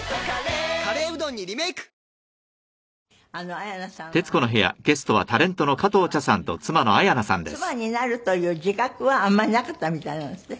綾菜さんは結婚当初は加トちゃんの妻になるという自覚はあんまりなかったみたいなんですって？